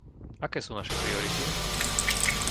Aké sú naše priority?